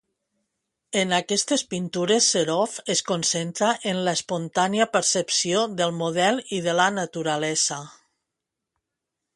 En aquestes pintures Serov es concentra en l'espontània percepció del model i de la naturalesa.